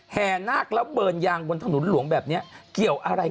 แห่นาคแล้วเบิร์นยางบนถนนหลวงแบบนี้เกี่ยวอะไร